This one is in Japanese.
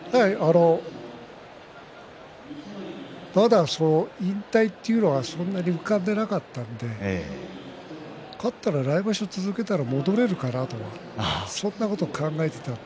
まだ引退というのはそんなに浮かんでいなかったので勝ったら来場所続けたら戻れるかなとかそんなことを考えていた。